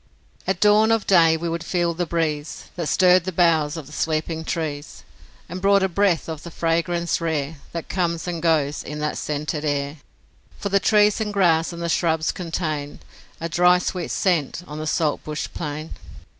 At dawn of day we would feel the breeze That stirred the boughs of the sleeping trees, And brought a breath of the fragrance rare That comes and goes in that scented air; For the trees and grass and the shrubs contain A dry sweet scent on the saltbush plain.